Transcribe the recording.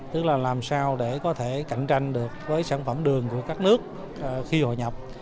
tức là làm sao để có thể cạnh tranh được với sản phẩm đường của các nước khi hội nhập